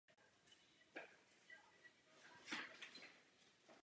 Přednášel také na Ruské svobodné univerzitě.